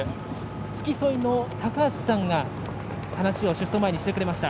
付き添いの方が話を出走前に話をしてくれました。